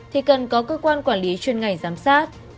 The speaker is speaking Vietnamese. thì cần có cơ quan quản lý chuyên ngành giám sát